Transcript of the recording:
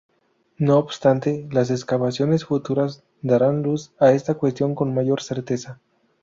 No obstante las excavaciones futuras darán luz a esta cuestión con mayor certeza.